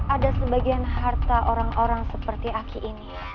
ada sebagian harta orang orang seperti aki ini